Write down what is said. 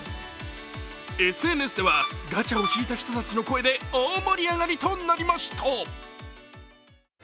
ＳＮＳではガチャを引いた人たちの声で大盛り上がりとなりました。